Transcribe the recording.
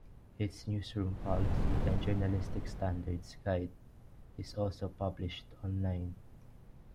Its newsroom policy and journalistic standards guide is also published online.